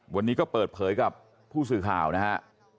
วันนี้ก็เปิดเผยกับผู้สื่อข่าวนะฮะ